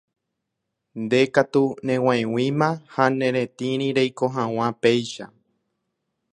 Ndékatu neg̃uaig̃uĩma ha neretĩri reiko hag̃ua péicha.